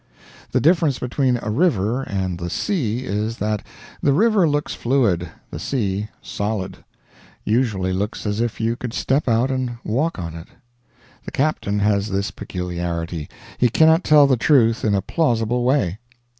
The difference between a river and the sea is, that the river looks fluid, the sea solid usually looks as if you could step out and walk on it. The captain has this peculiarity he cannot tell the truth in a plausible way.